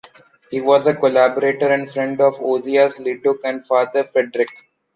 He was a collaborator and friend of Ozias Leduc and Father Frédéric.